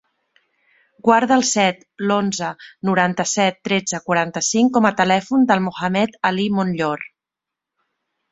Guarda el set, onze, noranta-set, tretze, quaranta-cinc com a telèfon del Mohamed ali Monllor.